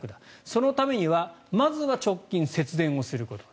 そのためにはまずは直近、節電をすること。